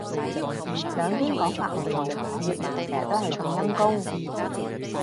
兩邊講法唔同。粵文成日都係咁陰功